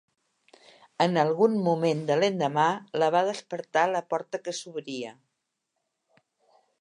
En algun moment de l'endemà la va despertar la porta que s'obria.